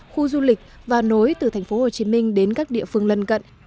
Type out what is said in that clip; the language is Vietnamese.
khu du lịch và nối từ tp hcm đến các địa phương lân cận